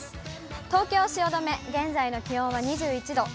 東京・汐留、現在の気温は２１度。